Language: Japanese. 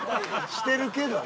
してるけど。